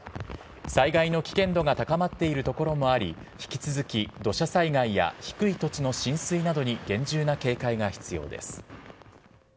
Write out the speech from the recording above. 災害の危険度が高まっている所もあり、引き続き土砂災害や低い土地の浸水などに厳重な警戒が必要です。